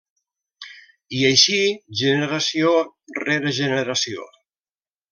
I, així, generació rere generació.